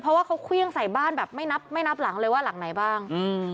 เพราะว่าเขาเครื่องใส่บ้านแบบไม่นับไม่นับหลังเลยว่าหลังไหนบ้าง